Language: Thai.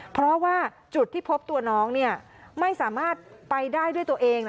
เพราะว่าจุดที่พบตัวน้องไม่สามารถไปได้ด้วยตัวเอง